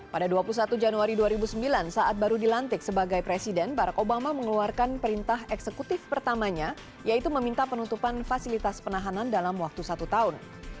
pada dua puluh satu januari dua ribu sembilan saat baru dilantik sebagai presiden barack obama mengeluarkan perintah eksekutif pertamanya yaitu meminta penutupan fasilitas penahanan dalam waktu satu tahun